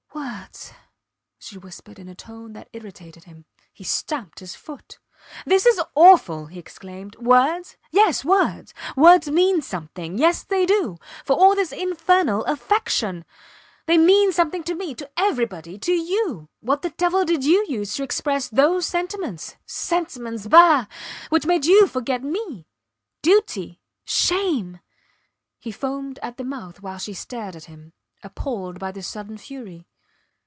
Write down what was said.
Words! she whispered in a tone that irritated him. He stamped his foot. This is awful! he exclaimed. Words? Yes, words. Words mean something yes they do for all this infernal affectation. They mean something to me to everybody to you. What the devil did you use to express those sentiments sentiments pah! which made you forget me, duty, shame! ... He foamed at the mouth while she stared at him, appalled by this sudden fury.